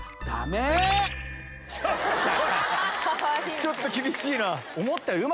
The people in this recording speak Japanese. ちょっと厳しいな！